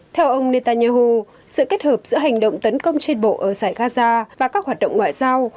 theo ông netanyahu sự kết hợp giữa hành động tấn công trên bộ ở giải gaza và các hoạt động ngoại giao